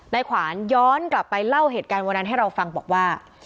ขวานย้อนกลับไปเล่าเหตุการณ์วันนั้นให้เราฟังบอกว่า